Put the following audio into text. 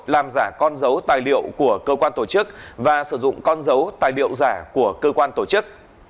làm giả con dấu tài liệu của cơ quan tổ chức và sử dụng con dấu tài liệu giả của cơ quan tổ chức